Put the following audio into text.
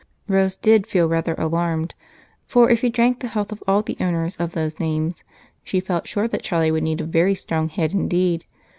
Rose did feel rather alarmed, for if he drank the health of all the owners of those names, she felt sure that Charlie would need a very strong head indeed.